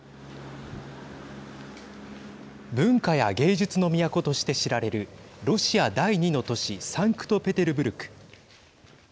文化や芸術の都として知られるロシア第２の都市サンクトペテルブルク。